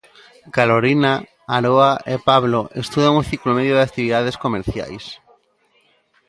Carolina, Aroa e Pablo estudan o ciclo medio de Actividades Comerciais.